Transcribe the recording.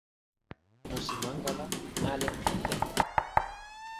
musi Manka la ale li leko.